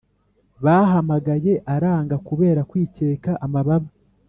Bahamagaye aranga kubera kwikeka amababa